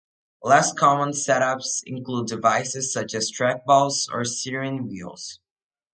Less common setups include devices such as trackballs or steering wheels.